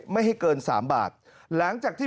ไม่ให้เกิน๓บาทหลังจากที่